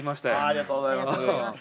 ありがとうございます。